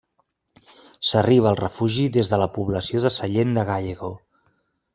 S'arriba al refugi des de la població de Sallent de Gállego.